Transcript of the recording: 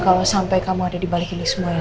kalau sampai kamu ada dibalik ini semua ya